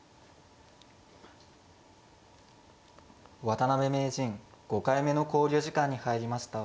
渡辺名人５回目の考慮時間に入りました。